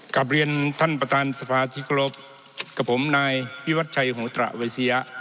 กับเรียนท่านประตานสภาทิกลบกับผมนายวิวัตชัยโหตระวัยเซีย